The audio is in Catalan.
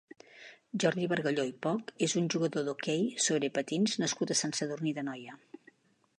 Jordi Bargalló i Poch és un jugador d'hoquei sobre patins nascut a Sant Sadurní d'Anoia.